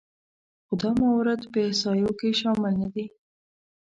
خو دا موارد په احصایو کې شامل نهدي